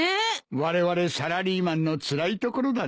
われわれサラリーマンのつらいところだな。